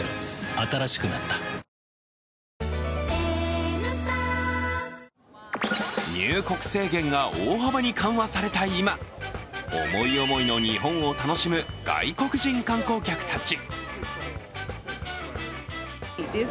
新しくなった入国制限が大幅に緩和された今、思い思いの日本を楽しむ外国人観光客たち。